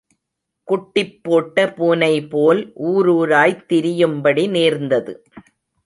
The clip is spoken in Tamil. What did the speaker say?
குட்டிப்போட்ட பூனைப்போல், ஊரூராய்த் திரியும்படி நேர்ந்தது.